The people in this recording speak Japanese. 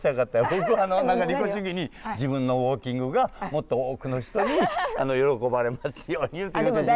僕は利己主義に自分のウォーキングがもっと多くの人に喜ばれますようにと言うてしまいました。